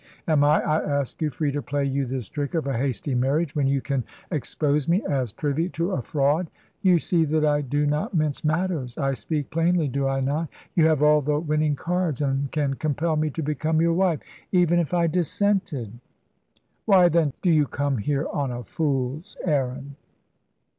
Am I, I ask you, free to play you this trick of a hasty marriage, when you can expose me as privy to a fraud? You see that I do not mince matters; I speak plainly, do I not? You have all the winning cards, and can compel me to become your wife, even if I dissented. Why, then, do you come here on a fool's errand?"